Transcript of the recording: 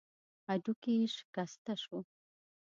هډوکی يې شکسته شو.